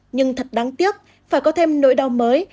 nhưng thật đáng tiếc phải có thêm nỗi đau mới